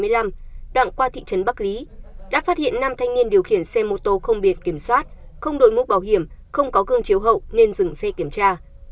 đoạn qua thị trấn bắc lý đã phát hiện năm thanh niên điều khiển xe mô tô không biệt kiểm soát không đổi múc bảo hiểm không có cương chiếu hậu nên dừng xe kiểm tra